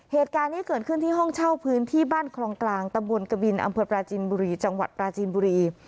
เหตุการณ์นี้เกิดขึ้นที่ห้องเช่าพื้นที่บ้านคลองกลางตำบลกบินอำเภอปราจินบุรีจังหวัดปราจีนบุรี